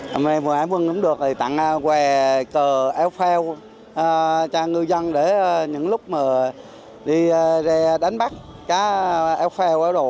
hôm nay hải quân vùng bốn tặng què cờ áo phao cho ngư dân để những lúc mà đi đánh bắt cá áo phao